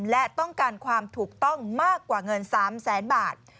และต้องการความถูกต้องมากกว่าเงิน๓แสนบาท